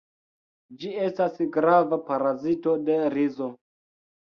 Ĝi estas grava parazito de rizo.